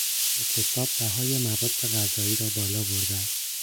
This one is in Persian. اعتصاب بهای مواد غذایی را بالا برده است.